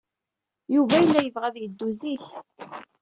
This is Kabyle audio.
Yuba yella yebɣa ad yeddu zik.